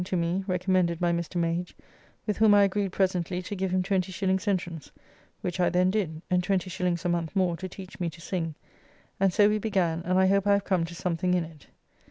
] to me (recommended by Mr. Mage), with whom I agreed presently to give him 20s. entrance, which I then did, and 20s. a month more to teach me to sing, and so we began, and I hope I have come to something in it.